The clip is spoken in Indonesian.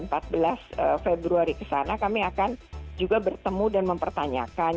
dua belas sampai empat belas februari ke sana kami akan juga bertemu dan mempertanyakan